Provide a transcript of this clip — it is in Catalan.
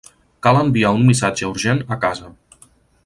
Cal enviar un missatge urgent a casa!